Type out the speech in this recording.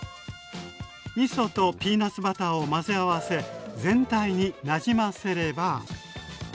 みそとピーナツバターを混ぜ合わせ全体になじませれば。